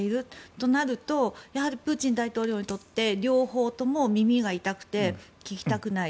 となるとやはりプーチン大統領にとって両方とも耳が痛くて聞きたくない。